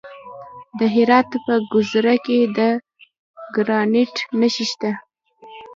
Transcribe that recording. د هرات په ګذره کې د ګرانیټ نښې شته.